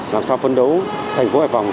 làm sao phấn đấu thành phố hải phòng